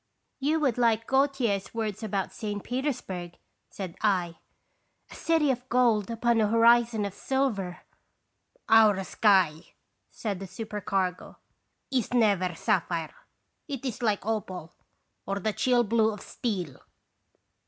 " "You would like Gautier's words about St. Petersburg," said I, "a city of gold upon a horizon of silver." " Our sky," said the supercargo, "is never sapphire; it is like opal or the chill blue of steel."